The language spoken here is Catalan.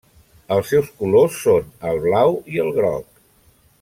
Els seus colors són el blau i el groc.